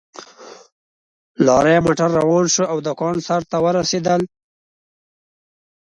لارۍ موټر روان شو او د کان سر ته ورسېدل